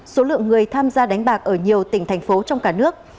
số lượng người tham gia đánh bạc ở nhiều tỉnh thành phố trong cả nước